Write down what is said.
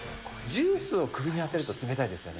ジュースを首にあてると冷たいですよね。